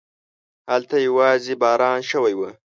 هلته يواځې باران شوی و.